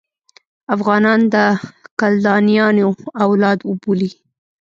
افغانان د کلدانیانو اولاد وبولي.